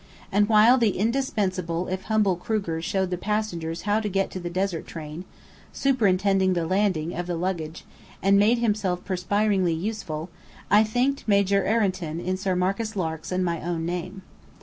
And while the indispensable if humble Kruger showed the passengers how to get to the desert train, superintended the landing of the luggage, and made himself perspiringly useful, I thanked Major Ireton in Sir Marcus Lark's and my own name.